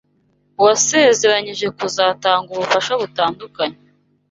wasezeranyije kuzatanga ubufasha butandukanye